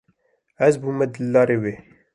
Ez bûme dildarê wê.